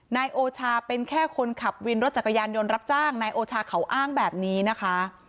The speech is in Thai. นายโอชาเป็นแค่คนขับวินรถจักรยานยนต์รับจ้างนายโอชาเขาอ้างแบบนี้นะคะ